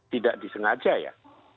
tidak disengaja ya